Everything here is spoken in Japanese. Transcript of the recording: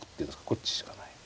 こっちしかない。